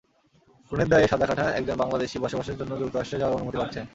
খুনের দায়ে সাজা খাটা একজন বাংলাদেশি বসবাসের জন্য যুক্তরাজ্যে যাওয়ার অনুমতি পাচ্ছেন।